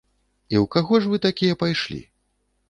І ў каго ж вы такія пайшлі?